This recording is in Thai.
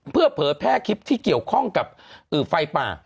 เพื่อเผยแพร่คลิปที่เกี่ยวข้องกับไฟป่า